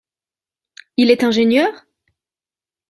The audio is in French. Il est ingénieur ?